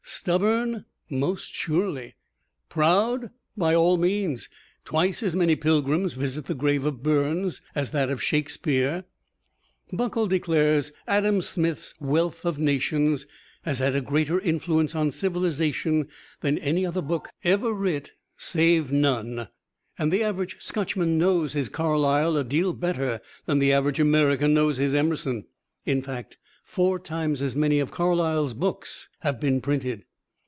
Stubborn? Most surely. Proud? By all means. Twice as many pilgrims visit the grave of Burns as that of Shakespeare. Buckle declares Adam Smith's "Wealth of Nations" has had a greater influence on civilization than any other book ever writ save none; and the average Scotchman knows his Carlyle a deal better than the average American knows his Emerson: in fact, four times as many of Carlyle's books have been printed.